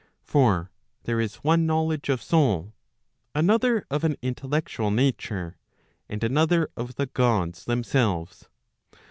For there is one knowledge of soul, another of an intellectual nature, and another of the Gods themselves.